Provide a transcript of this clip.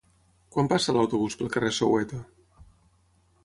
Quan passa l'autobús pel carrer Soweto?